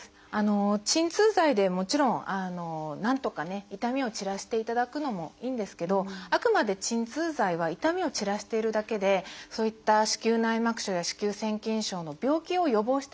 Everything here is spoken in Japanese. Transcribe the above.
鎮痛剤でもちろんなんとかね痛みを散らしていただくのもいいんですけどあくまで鎮痛剤は痛みを散らしているだけでそういった子宮内膜症や子宮腺筋症の病気を予防してくれるわけではないので。